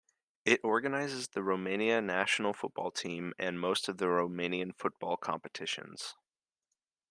It organizes the Romania national football team and most of the Romanian football competitions.